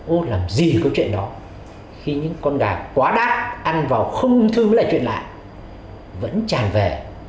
ôi làm gì có chuyện đó khi những con gà quá đắt ăn vào không thư với lại chuyện lại vẫn tràn về